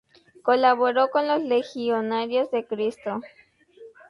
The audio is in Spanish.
Colaboró con los Legionarios de Cristo.